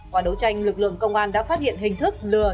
qua đấu tranh lực lượng công an đã phát hiện hình thức lừa